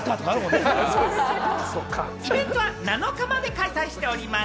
イベントは７日まで開催しております。